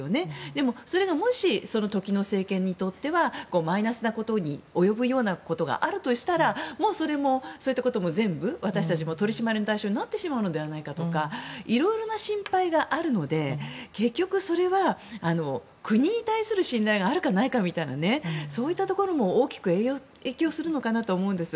でも、それがもし時の政権にとってはマイナスなことに及ぶようなことがあるとしたらそういったことも全部私たちも取り締まり対象になってしまうのではないかとかいろいろな心配があるので結局それは国に対する信頼があるか、ないかみたいなそういったところも大きく影響するのかなと思います。